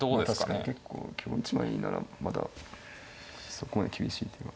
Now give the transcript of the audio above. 確かに結構香１枚ならまだそこまで厳しい手が。